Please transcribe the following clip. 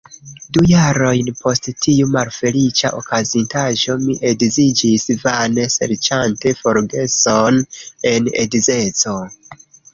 Du jarojn post tiu malfeliĉa okazintaĵo mi edziĝis, vane serĉante forgeson en edzeco.